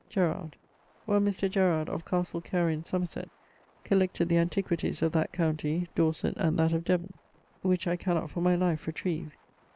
=... Gerard.= One Mr. Gerard, of Castle Carey in Somerset, collected the antiquities of that county, Dorset, and that of Devon: which I cannot for my life retrive.